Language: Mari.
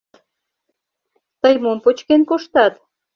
Тый мом почкен коштат?